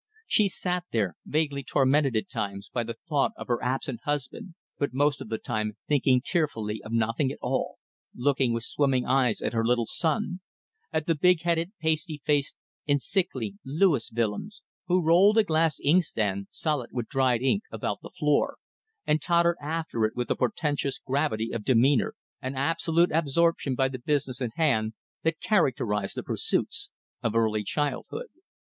She sat there, vaguely tormented at times by the thought of her absent husband, but most of the time thinking tearfully of nothing at all, looking with swimming eyes at her little son at the big headed, pasty faced, and sickly Louis Willems who rolled a glass inkstand, solid with dried ink, about the floor, and tottered after it with the portentous gravity of demeanour and absolute absorption by the business in hand that characterize the pursuits of early childhood.